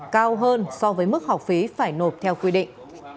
cao hơn so với mức học phí phải nộp theo quy định